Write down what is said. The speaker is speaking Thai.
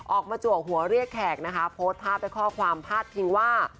ออกมาจวกหัวเรียกแขกโพสต์พาไปข้อความพาดพิงว่า